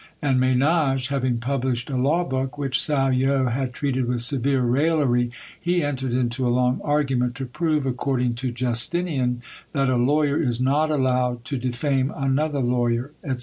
_ and Menage having published a law book, which Sallo had treated with severe raillery, he entered into a long argument to prove, according to Justinian, that a lawyer is not allowed to defame another lawyer, &c.